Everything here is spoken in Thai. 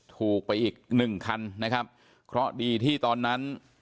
ถูกไปอีกหนึ่งคันนะครับเพราะดีที่ตอนนั้น